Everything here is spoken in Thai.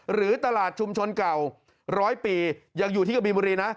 หรือตลาดชุมชนเก่าร้อยปียังอยู่ที่กะบินบุรีนะ